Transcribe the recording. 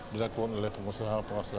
berlakunya oleh pengusaha pengusaha